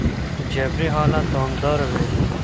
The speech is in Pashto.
جبري حالت دوامداره وي.